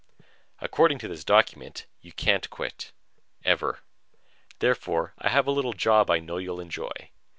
"According to this document, you can't quit. Ever. Therefore I have a little job I know you'll enjoy.